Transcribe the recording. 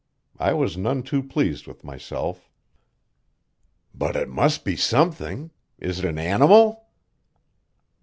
I was none too pleased with myself. "But it must be something. Is it an animal?"